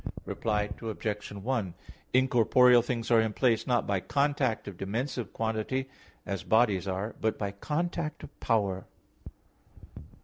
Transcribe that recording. Reply Obj. 1: Incorporeal things are in place not by contact of dimensive quantity, as bodies are but by contact of power.